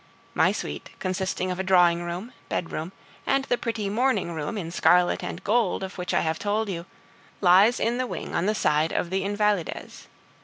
My suite, consisting of a drawing room, bedroom, and the pretty morning room in scarlet and gold, of which I have told you, lies in the wing on the side of the Invalides.